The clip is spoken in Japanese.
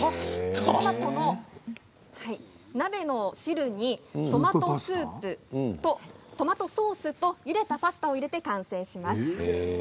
トマトの鍋の汁にトマトスープそれとトマトソースとパスタを入れて完成します。